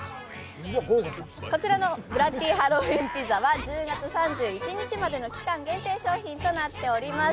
こちらのブラッディハロウィンピザは１０月３１日までの期間限定商品となっております。